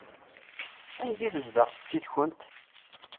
Anda i tezdeɣ setti-tkent?